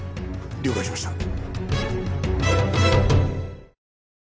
了解しました。